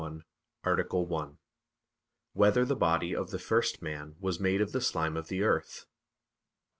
91, Art. 1] Whether the Body of the First Man Was Made of the Slime of the Earth?